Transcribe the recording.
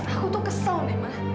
aku tuh kesel memang